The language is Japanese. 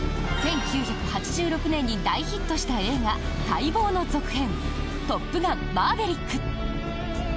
１９８６年に大ヒットした映画待望の続編「トップガンマーヴェリック」。